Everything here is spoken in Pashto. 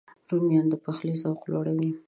رومیان د پخلي ذوق لوړوي